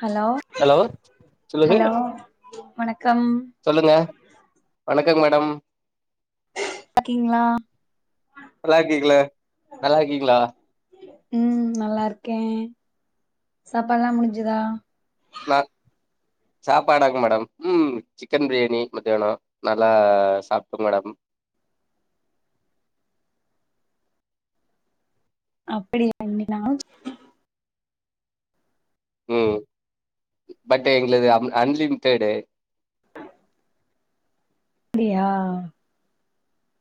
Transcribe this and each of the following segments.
hello hello சொல்லுது hello வணக்கம் சொல்லுங்க வணக்க மேடம் இருக்கீங்களா நல்லாருக்கீங்களா நல்லா இருக்கீங்களா ம் நல்லா இருக்கே சாப்பாடுல்லா முடிஞ்சுதா நா சாப்பாடாங்க மேடம் ம் சிக்கன் பிரியாணி மத்தியானோ நல்லா சாப்ட்ட மேடம் அப்டியா இன்னேக்கு நா ம் பட் எங்களது அம் அன்லிமிட்டடு அப்டியா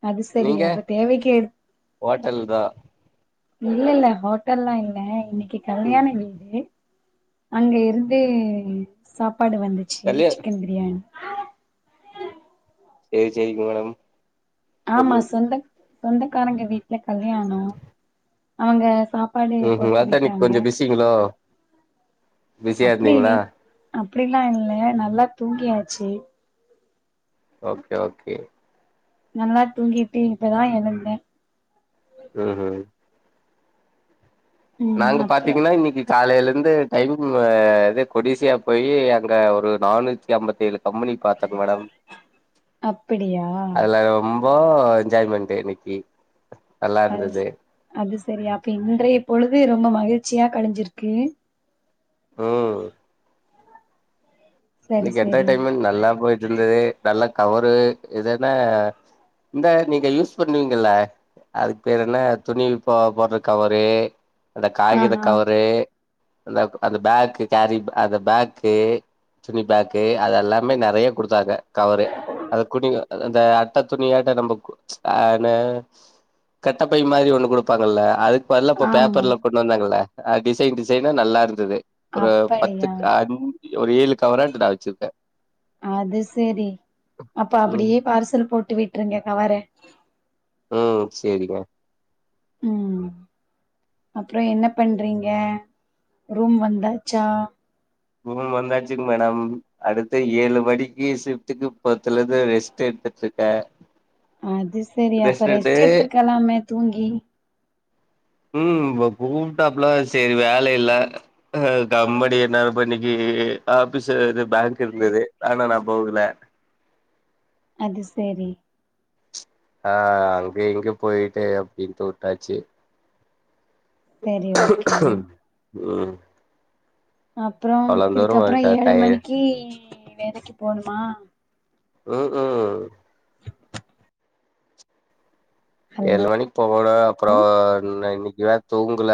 அது சேரி நீங்க அப்ப தேவைக்கு ஏற்ப ஹோட்டல் தா இல்ல இல்ல ஹோட்டல்லா இல்ல இன்னிக்கி ம் கல்யாண வீடு அங்க இருந்து சாப்பாடு வந்துச்சி கல்யா சிக்கன் பிரியாணி சேரி சேரிங்க மேடம் ஓகே ஆமா ஓகே சொந்த சொந்தக்காரங்க வீட்ல கல்யாணோ அவுங்க சாப் பாடு கொடுத்து விட்டாங்க இவ்ளோ அப்டி இல் அப்டிலா இல்ல நல்லா தூங்கியாச்சி ஓகே ஓகே நல்லா தூங்கிட்டு இப்ப தா எழுந்தே ம் ம் ம் நாங்க அப்றோ பாத்தீங்கன்னா இன்னிக்கி காலயிலேருந்து டைம் இது கொடிசியா போய் அங்கே ஒரு நானூத்தி அம்பத்தெழு கம்பெனி பாத்த மேடம் அப்படியா அதுல ம் போ எஜ்ஜாயின் பண்டு இன்னிக்கி அது அது சேரி அப்ப இன்றைய பொழுது ரொம்ப மகிழ்ச்சியா கழிஞ்சிருக்கு ம் சரி இன்னிக்கு சரி என்டர்டெயின்மென்ட் நல்லா போயிட்டு இருந்தது நல்லா கவரு இதுன்னா இந்த நீங்க யூஸ் பண்ணுவீங்கல்ல அதுக்கு பேரு என்ன துணி போ போட்ற கவரு அந்த காகித ஆஹா கவரு அந்த அந்த பேக்கு கேரி அந்த பேக்கு துணி பேக்கு அதெல்லாமே நெறையா குடுத்தாங்க கவரு அத குடிங்க அந்த அட்ட துணியாட்டோ நம்ப ஆன கட்டப்பை மாரி ஒண்ணு குடுப்பாங்கல்ல அதுக் இப்ப அதுலா இப்போ ஆமா பேப்பர்ல கொண்டு வந்தாங்கல டிசைன் டிசைனா நல்லாருந்தது ஒரு அப்படியா பத்துக்கு ஆஞ்சி ஒரு ஏழு கவராட்ட நா வச்சிருக்கே அது செரி அப்ப ம் அப்புடியே பார்சல் போட்டு விட்டுருங்க கவற ம் சேரிங்க ம் அப்புறோ என்ன பண்றீங்க ரூம் வந்தாச்சா ரூம் வந்தாச்சுங்க மேடம் அடுத்து ஏழு மணிக்கு சிஃப்டுக்கு பக்த்லந்து ரெஸ்ட்டு எத்துட்ருக்க அது செரி அப்ப ரெஸ்ட்டு எடுத்துருக்கலாமே தூங்கி ம் இப்ப கூப்ட்டாப்ல சேரி வேல இல்ல அ கம்பெனி என்ன பன்னிக்கி ஆபிஸ து பேங்க்கு இருந்துது ஆனா நா போகுல அது செரி அ அங்க இங்க போய்ட்டு அப்டீன்ட்டு உட்டாச்சு சரி ஓகே ம் அப்பறோ அவ்ளோ தூரோ இதுக்கப்பறோ வன்ட்ட ஏழு டய மணிக்கு வேலக்கி போணுமா ம் ம் ஹலோ ஏழு மணிக்கு போவணோ அப்புறோ இன்னோ இன்னிக்கி வேற தூங்குல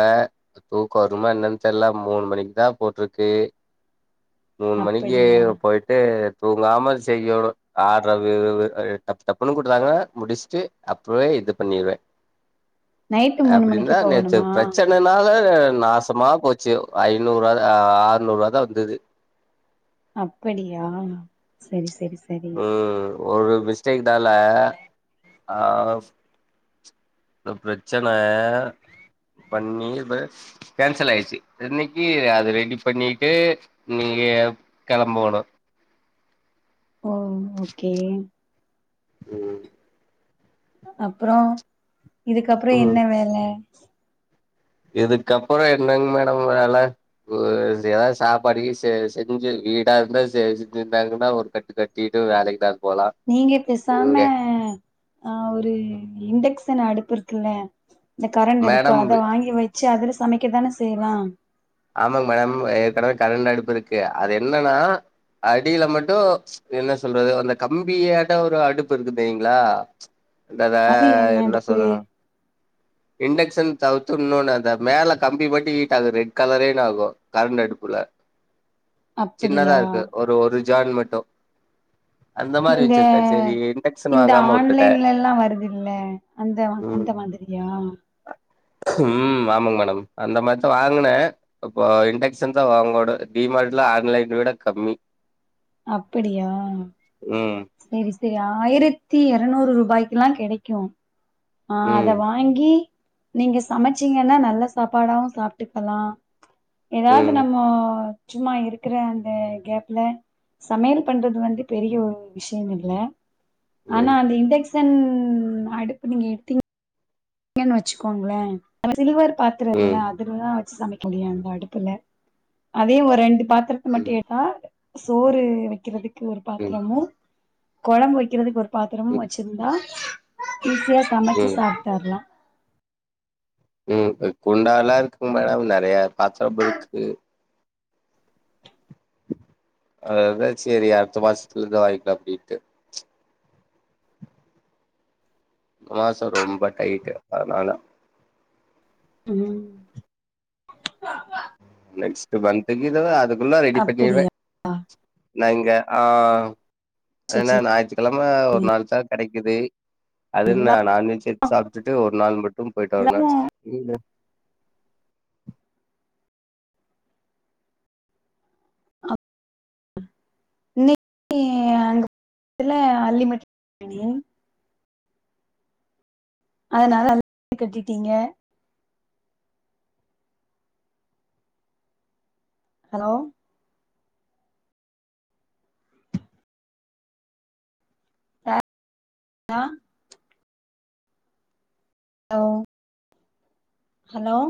தூக்கோ வருமா என்னனு தெர்ல மூணு மணிக்தா போட்ருக்கு மூணு மணிக்கி அப்படியா போய்ட்டு தூங்காம செய்யணோ ஆரவ்விரவு எ டப் டப்னு குடுத்தாங்கனா முடிச்ட்டு அப்பவே இது பண்ணிருவே நைட்டு மூணு மணிக்கு அப்டீன்னா நேத்து போகணுமா பிரச்சனனால நாஸ் சுத்தமா போச்சு ஐநூருவாதா ஆறுனூருவாதா வந்துது அப்படியா செரி செரி செரி ம் ஒரு மிஸ்டேக்னால அ இந்த ப்ரச்சன பண்ணி பஸ் கேன்சலாயிச்சி இன்னிக்கி அது ரெடி பண்ணிட்டு நீங்க கெளம்போணோ ம் ஓகே ம் அப்புறோ இதுக்கப்பறோ என்ன வேல இதுக்கப்பறோ என்னங்க மேடம் வேல ஒரு எதாது சாப்பாடு செ செஞ்சு வீடாருந்தா செ செஞ்சுருந்தாங்கன்னா ஒரு கட்டுக்கட் டிட்டு வேலைக்கி தா போலா நீங்க பேசாம இங்க அ ஒரு இண்டக்ஷன் அடுப்புருக்குல்ல இந்த கரண்டடுப்பு மேடம் அத வாங்கி வெச்சு அதுல சமைக்க தான செய்யுலா ஆமாங்க மேடம் ஏற்கனவே கரண்டடுப்பு இருக்கு அது என்னனா அடில மட்டு என்ன சொல்றது அந்த கம்பியாட்டோ ஒரு அடுப்பு இருக்கு தெரியுங்ளா ந்த த அது என்ன அடுப்பு சொல்லனோ இண்டக்ஷன் தவுத்து இன்னோனு அந்த மேல கம்பி போட்டு ஹீட்டா ஆகுதே கலரேனாகோ கரண்டடுப்புல அப்படியா சின்னதாருக்கோ ஒரு ஒரு ஜான் மட்டோ இதுமாரி இந்த வெச்சிருப்ப செரி இன் இந்த ஆன்லைன்லல்லா வருதுல்ல அந்த ம் அந்த மாதிரியா ம் ஆமாங் மேடம் அந்த மாரிதா வாங்குன இப்போ இண்டெக்ஷன்ஸ்தா வாங்கோடு டிமார்ட்ல ஆன்லைன விட கம்மி அப்பிடியா ம் சேரி சேரி ஆயிரத்தி எறநூறு ருபாய்க்லா கெடைக்கு அ அத ம் வாங் கி நீங்க சமச்சீங்கன்னா நல்ல சாப்பாடாவு சாப்ட்டுக்கலா எதாவது ம் நம்மோ சும்மா இருக்குற அந்த கேப்ல சமயல் பண்றது வந்து பெரிய ஒரு விஷயோ இல்ல ஆனா ம் அந்த இண்டெக்ஷ்ன் அடுப்பு நீங்க எடுத்தீங் கனு வச்சுக்கோங்களே சில்வர் பாத்தரோ ம் இருக்குல்ல அதுலதா வச்சு சமைக்க முடிய அந்த அடுப்புல அதே ஒரு ரெண்டு பாத்திரத்த ம் மட்டு ஏட்டா சோறு வைக்கிறதுக்கு ஒரு ம் பாத்திரமு கொழம்பு வக்கிறதுக்கு ஒரு பாத்திரமு வச்சுருந்தா ஈஸியா சமச்சு ம் சாப்ட்றலா ம் குண்டால்லா இருக்கு மேடம் நெறைய பாத்தரமிருக்கு அதுதா சேரி அடுத்த மாசத்துலருந்து வாங்கிக்கலா அப்டின்ட்டு மாசோ ரொம்ப டைட் அதனால ம் நெக்ஸ்ட் மந்த்க்கு இதுவே அதுக்குள்ள ரெடி பண்ணிருவே அப்படியா நாங்க ஆ சேர் ஏன்னா சேரி ஞாயித்துக்கெழம ஒரு நாள்தா கடைக்கிது அது நா நான்வெஜ் எடுத்து சாப்ட்டுட்டு ஒரு நாள் மட்டு போயிட்டு எல்லாமு வருவே [unintelligible] இன்னிக்கி அங்க [inaudible] அன்லிமிட் [unintelligible] அதனால அத கட்டிட்டீங்க ஹலோ ஆ ஹலோ ஹலோ